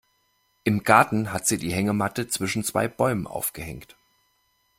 Im Garten hat sie die Hängematte zwischen zwei Bäumen aufgehängt.